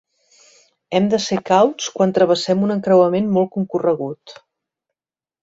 Hem de ser cauts quan travessem un encreuament molt concorregut.